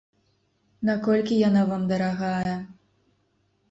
Наколькі яна вам дарагая?